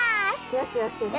よしよしよしよし。